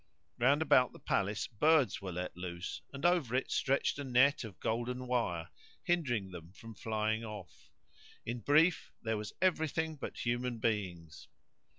Round about the palace birds were let loose and over it stretched a net of golden wire, hindering them from flying off; in brief there was everything but human beings.